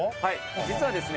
実はですね。